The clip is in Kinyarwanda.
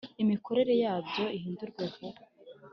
imikorere yabyo ihinduwe vuba.